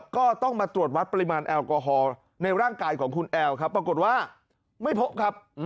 ก็ต้องมาตรวจวัดปริมาณแอลกอฮอล์ในร่างกายของคุณแอลครับปรากฏว่าไม่พบครับ